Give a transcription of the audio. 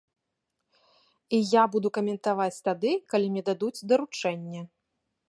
І я буду каментаваць тады, калі мне дадуць даручэнне.